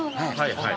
はい。